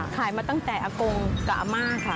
มาตั้งแต่อากงกับอาม่าค่ะ